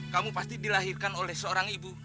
kamu pasti dilahirkan oleh seorang ibu